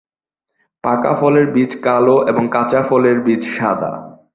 পাকা ফলের বীজ কালো এবং কাঁচা ফলের বীজ সাদা।